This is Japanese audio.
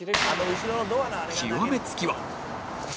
極め付きは